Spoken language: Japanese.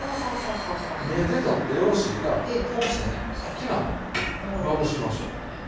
見えてたってよろしいからこうしてねきな粉まぶしましょう。